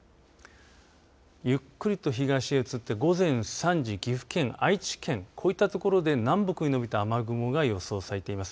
ゆっくりと東へ移って午前３時、岐阜県、愛知県こういったところで南北にのびた雨雲が予想されています。